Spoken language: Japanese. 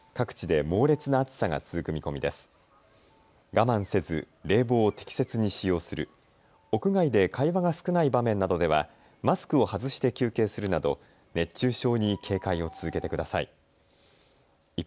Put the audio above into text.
我慢せず冷房を適切に使用する、屋外で会話が少ない場面などではマスクを外して休憩するなど熱中症に警戒を続けてください。